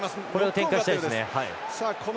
展開したいですね。